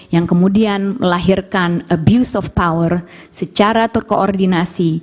dan mengakhirkan abuse of power secara terkoordinasi